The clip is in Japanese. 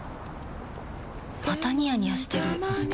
またニヤニヤしてるふふ。